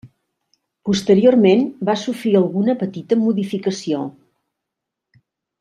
Posteriorment va sofrir alguna petita modificació.